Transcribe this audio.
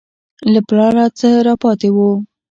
له پلاره څه راپاته وو.